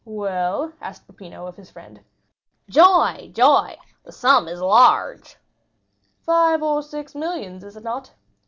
"Well?" asked Peppino of his friend. "Joy, joy—the sum is large!" "Five or six millions, is it not?"